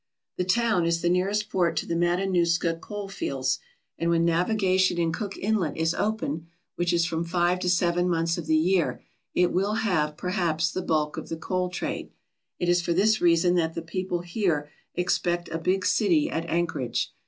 The town is the nearest port to the Matanuska coal fields, and when navigation in Cook Inlet is open, which is from five to seven months of the year, it will have, per haps, the bulk of the coal trade. It is for this reason that the people here expect a big city at Anchorage.